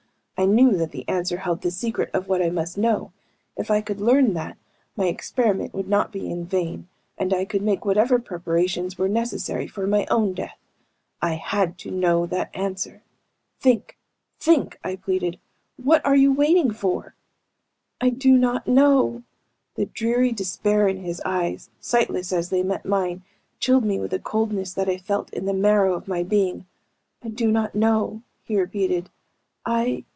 I knew that the answer held the secret of what I must know. If I could learn that, my experiment would not be in vain, and I could make whatever preparations were necessary for my own death. I had to know that answer. "Think! Think!" I pleaded. "What are you waiting for?" "I do not know!" The dreary despair in his eyes, sightless as they met mine, chilled me with a coldness that I felt in the marrow of my being. "I do not know," he repeated. "I